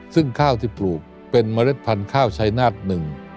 ซึ่งข้าวที่ปลูกเป็นเมล็ดพันธุ์ข้าวชายนาฏหนึ่ง